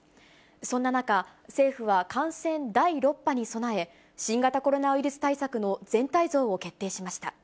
そんな中、政府は感染第６波に備え、新型コロナウイルス対策の全体像を決定しました。